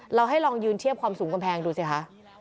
เราให้ลองยืนเทียบความสูงกำแพงดูสิคะ